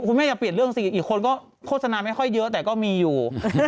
แม่อย่าเปลี่ยนเรื่องสิอีกคนก็โฆษณาไม่ค่อยเยอะแต่ก็มีอยู่